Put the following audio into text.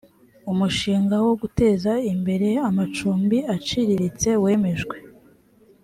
umushinga wo guteza imbere amacumbi aciriritse wemejwe